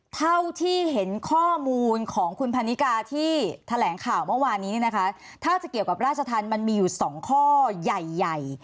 เท่าที่เห็นข้อมูลของคุณพันนิกาที่แถลงข่าวเมื่อวานนี้เนี่ยนะคะถ้าจะเกี่ยวกับราชธรรมมันมีอยู่สองข้อใหญ่ใหญ่